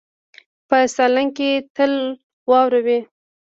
په سالنګ کې تل واوره وي.